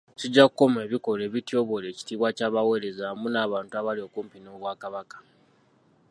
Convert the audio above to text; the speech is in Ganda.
Kijja kukomya ebikolwa ebityoboola ekitiibwa ky'abaweereza wamu n'abantu abali okumpi n'Obwakabaka.